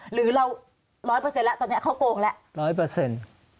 หรือเรา๑๐๐แล้วตอนนี้เขาโกงแล้ว